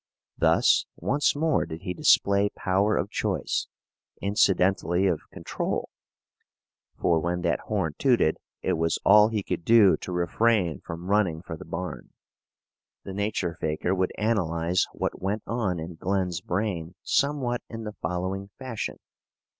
Thus once more did he display power of choice, incidentally of control, for when that horn tooted it was all he could do to refrain from running for the barn. The nature faker would analyze what went on in Glen's brain somewhat in the following fashion.